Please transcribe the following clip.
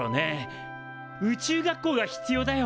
宇宙学校が必要だよ